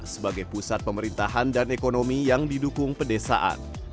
sebagai pusat pemerintahan dan ekonomi yang didukung pedesaan